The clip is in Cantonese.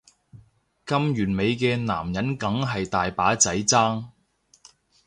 咁完美嘅男人梗係大把仔爭